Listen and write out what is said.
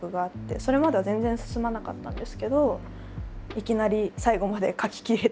それまでは全然進まなかったんですけどいきなり最後まで書ききれてしまって「ああよかった」。